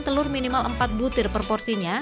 telur minimal empat butir per porsinya